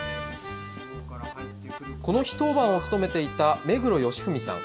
この日、当番を務めていた目黒義文さん。